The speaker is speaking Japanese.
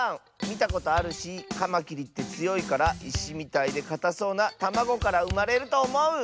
みたことあるしカマキリってつよいからいしみたいでかたそうなたまごからうまれるとおもう！